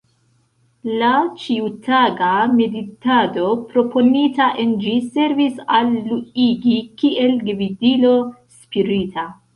La ĉiutaga meditado proponita en ĝi servis al Luigi kiel gvidilo spirita.